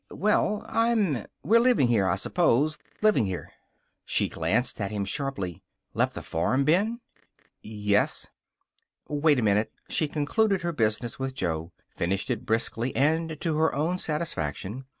Well, I'm we're living here, I s'pose. Livin' here." She glanced at him sharply. "Left the farm, Ben?" "Yes." "Wait a minute." She concluded her business with Joe; finished it briskly and to her own satisfaction.